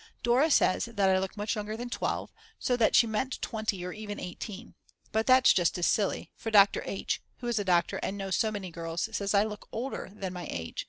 Dora says that I look much younger than 12 so that she meant 20 or even 18. But that's just as silly, for Dr. H., who is a doctor and knows so many girls, says I look older than my age.